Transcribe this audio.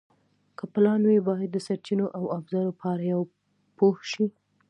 که پلان وي، باید د سرچینو او ابزارو په اړه پوه شئ.